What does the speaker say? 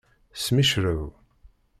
Smicrew.